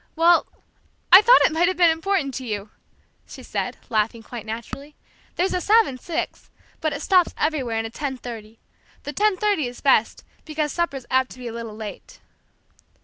"Well, I thought it might have been important to you!" she said, laughing quite naturally. "There's a seven six, but it stops everywhere, and a ten thirty. The ten thirty is best, because supper's apt to be a little late."